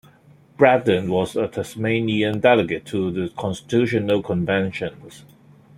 Braddon was a Tasmanian delegate to the Constitutional Conventions.